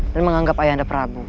dan menganggap ayah anda